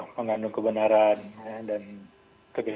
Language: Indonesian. mengandung kebenaran dan kebenaran